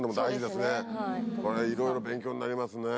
これいろいろ勉強になりますね。